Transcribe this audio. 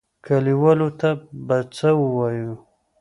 کليوالو ته به څه وايو؟